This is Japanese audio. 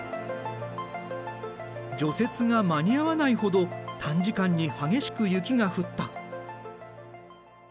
除雪が間に合わないほど短時間に激しく雪が降った。